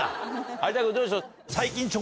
有田君どうでしょう？